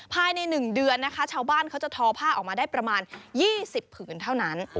ภายใน๑เดือนนะคะชาวบ้านเขาจะทอผ้าออกมาได้ประมาณ๒๐ผืนเท่านั้น